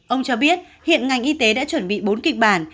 ông cho biết hiện ngành y tế đã chuẩn bị bốn kịch bản